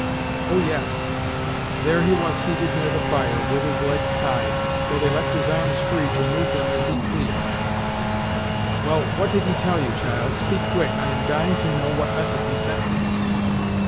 "Oh, yes there he was seated near the fire, with his legs tied, though they left his arms free, to move them as he pleased." "Well, what did he tell you, child? Speak quick; I am dying to know what message he sent me."